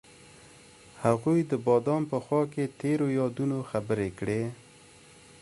هغوی د بام په خوا کې تیرو یادونو خبرې کړې.